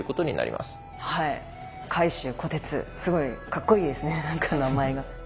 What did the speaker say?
すごいかっこいいですねなんか名前が。